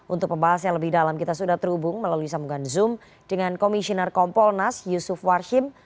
untuk pembahas yang lebih dalam kita sudah terhubung melalui sambungan zoom dengan komisioner kompolnas yusuf warhim